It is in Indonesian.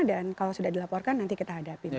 dan kalau sudah dilaporkan nanti kita hadapi